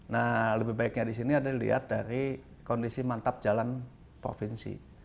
nah lebih baiknya disini ada dilihat dari kondisi mantap jalan provinsi